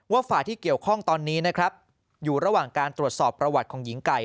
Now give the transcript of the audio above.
ฝ่ายที่เกี่ยวข้องตอนนี้นะครับอยู่ระหว่างการตรวจสอบประวัติของหญิงไก่